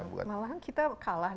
malahan kita kalahkan